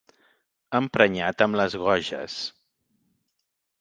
Emprenyat amb les goges.